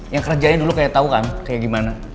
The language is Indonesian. yang kerjanya dulu kayak tau kan kayak gimana